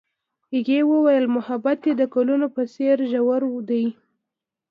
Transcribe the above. هغې وویل محبت یې د ګلونه په څېر ژور دی.